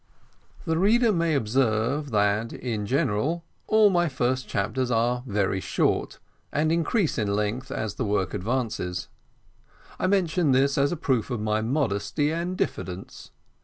The reader may observe that, in general, all my first chapters are very short, and increase in length as the work advances. I mention this as a proof of my modesty and diffidence.